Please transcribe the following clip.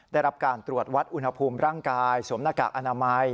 ได้รับการตรวจวัดอุณหภูมิร่างกายสวมหน้ากากอนามัย